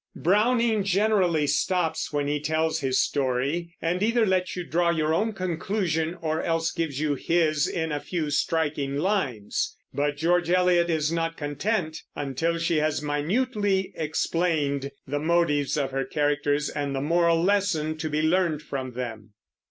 Browning generally stops when he tells his story, and either lets you draw your own conclusion or else gives you his in a few striking lines. But George Eliot is not content until she has minutely explained the motives of her characters and the moral lesson to be learned from them.